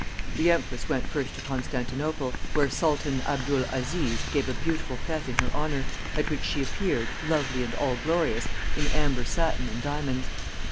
The empress went first to Constantinople, where Sultan Abdul Aziz gave a beautiful fête in her honor, at which she appeared, lovely and all glorious, in amber satin and diamonds.